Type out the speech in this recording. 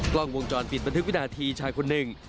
กล้องวงจรปิดบันทึกวินาทีชายคนหนึ่ง